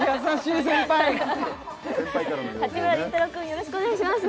よろしくお願いします